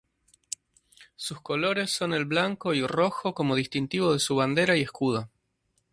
Sus colores son el blanco y rojo como distintivo de su bandera y escudo.